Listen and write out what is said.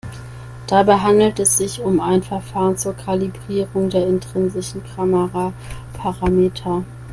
Dabei handelt es sich um ein Verfahren zur Kalibrierung der intrinsischen Kameraparameter.